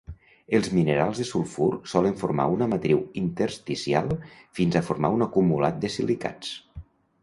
Els minerals de sulfur solen formar una matriu intersticial fins a formar un acumulat de silicats.